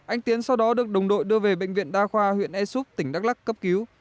anh tiến sau đó được đồng đội đưa về bệnh viện đa khoa huyện e súp tỉnh đắk lắc cấp cứu